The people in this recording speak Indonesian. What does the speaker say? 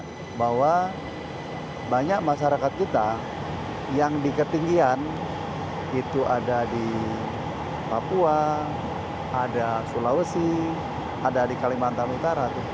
kita bahwa banyak masyarakat kita yang di ketinggian itu ada di papua ada sulawesi ada di kalimantan utara